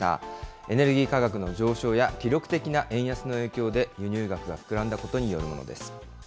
エネルギー価格の上昇や記録的な円安の影響で、輸入額が膨らんだことによるものです。